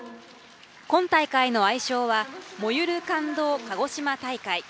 今大会の愛称は「燃ゆる感動かごしま大会」。